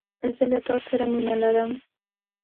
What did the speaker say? زه له تا سره مینه لرم